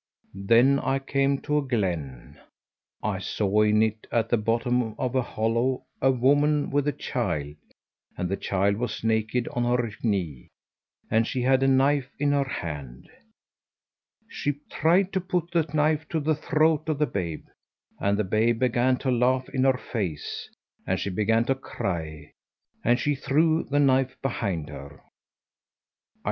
Then I came to a glen; I saw in it, at the bottom of a hollow, a woman with a child, and the child was naked on her knee, and she had a knife in her hand. She tried to put the knife to the throat of the babe, and the babe began to laugh in her face, and she began to cry, and she threw the knife behind her.